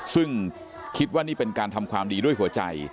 ซึ่งคิดว่านี่เป็นการทำความดีด้วยหัวใจ